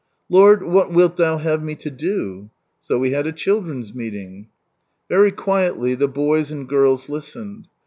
" Lord, what wilt Thou have me to do ?",.. So we had a children's meeting. Very quietly the boys and girls listened.